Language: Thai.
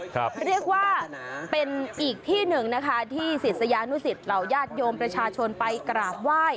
เรียกว่าเป็นอีกที่หนึ่งนะคะที่ศิษยานุสิตเหล่าญาติโยมประชาชนไปกราบไหว้